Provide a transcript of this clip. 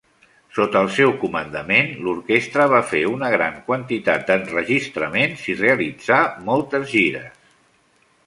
Sota el seu comandament l'orquestra va fer una gran quantitat d'enregistraments i realitzà moltes gires.